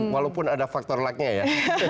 walaupun ada faktor luck nya ya